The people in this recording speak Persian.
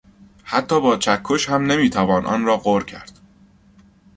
حتی با چکش هم نمیتوان آن را غر کرد.